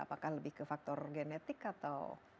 apakah lebih ke faktor genetik atau